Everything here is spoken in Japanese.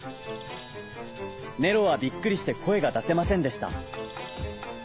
ネロはびっくりしてこえがだせませんでした。